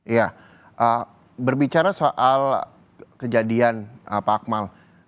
ya berbicara soal kejadian pak akmal